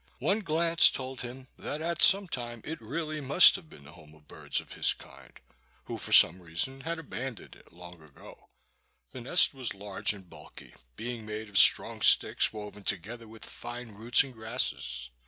One glance told him that at some time it really must have been the home of birds of his kind, who for some reason had abandoned it long ago. The nest was large and bulky, being made of strong sticks woven together with fine roots and grasses.